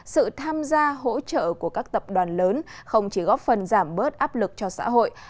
sự tham gia hỗ trợ của các tập đoàn lớn không chỉ góp phần giảm bớt áp lực cho xã hội